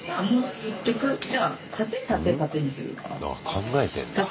考えてんだ。